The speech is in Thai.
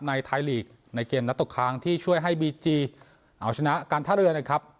ไทยลีกในเกมนัดตกค้างที่ช่วยให้บีจีเอาชนะการท่าเรือนะครับ